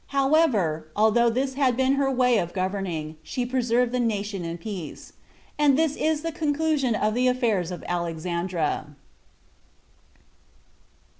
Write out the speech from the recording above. However, although this had been her way of governing, she preserved the nation in peace. And this is the conclusion of the affairs of, Alexandra.